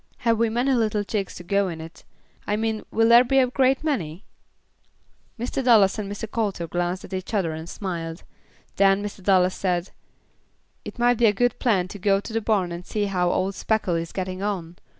"Have we many little chicks to go in it. I mean will there be a great many?" Mr. Dallas and Mr. Coulter glanced at each other and smiled; then Mr. Dallas said, "It might be a good plan to go to the barn and see how old Speckle is getting on.